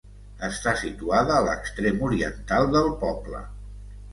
Està situada a l'extrem oriental del poble.